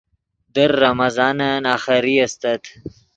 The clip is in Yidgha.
در رمضانن آخری استت